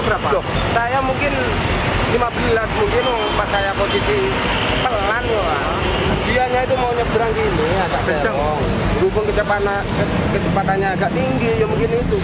berhubung kecepatannya agak tinggi ya mungkin itu